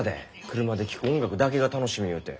車で聴く音楽だけが楽しみ言うて。